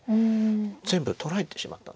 全部取られてしまった。